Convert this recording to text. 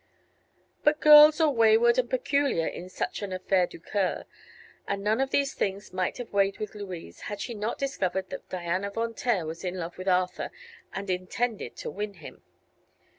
But girls are wayward and peculiar in such an affaire du coeur, and none of these things might have weighed with Louise had she not discovered that Diana Von Taer was in love with Arthur and intended to win him.